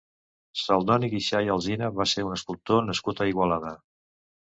Celdoni Guixà i Alsina va ser un escultor nascut a Igualada.